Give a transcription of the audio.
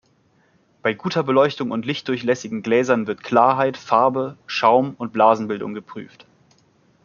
Bei guter Beleuchtung und lichtdurchlässigen Gläsern wird Klarheit, Farbe, Schaum und Blasenbildung geprüft.